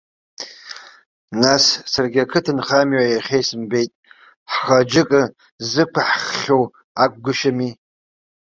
Нас, саргьы ақыҭанхамҩа иахьа исымбеит, ҳхы аџьыка ззықәаҳххьоу акәгәышьами.